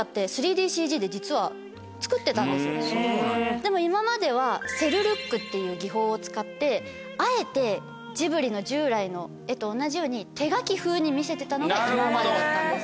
でも今まではセルルックっていう技法を使ってあえてジブリの従来の絵と同じように手描き風に見せてたのが今までだったんです。